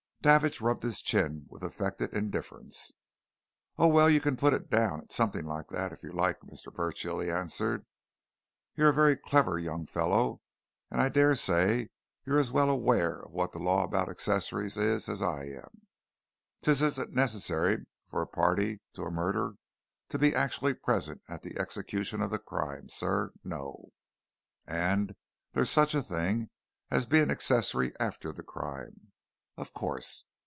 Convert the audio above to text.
Davidge rubbed his chin with affected indifference. "Oh, well, you can put it down at something like that, if you like, Mr. Burchill," he answered. "You're a very clever young fellow, and I dare say you're as well aware of what the law about accessories is as I am. 'Tisn't necessary for a party to a murder to be actually present at the execution of the crime, sir no! And there's such a thing as being accessory after the crime of course.